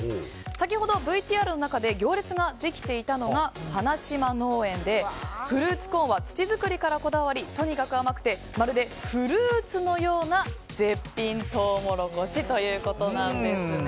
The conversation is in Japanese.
先ほどＶＴＲの中で行列ができていたのがハナシマ農園でフルーツコーンは土作りからこだわりとにかく甘くてまるでフルーツのような絶品トウモロコシということです。